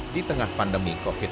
di tengah pandemi covid sembilan belas